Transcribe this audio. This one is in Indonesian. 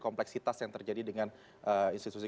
kompleksitas yang terjadi dengan institusi